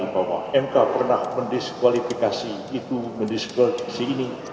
bahwa mk pernah mendiskualifikasi itu mendiskualifikasi si ini